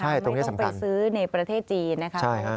ใช่ตรงที่สำคัญไม่ต้องไปซื้อในประเทศจีนนะครับ